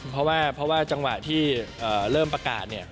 เพราะว่าเพราะว่าจังหวะที่เริ่มประกาศเนี่ย